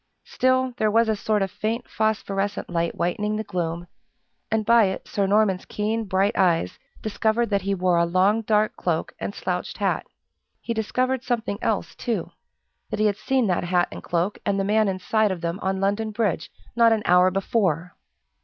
Still, there was a sort of faint phosphorescent light whitening the gloom, and by it Sir Norman's keen bright eyes discovered that he wore a long dark cloak and slouched hat. He discovered something else, too that he had seen that hat and cloak, and the man inside of them on London Bridge, not an hour before.